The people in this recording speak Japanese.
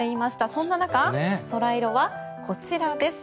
そんな中ソライロはこちらです。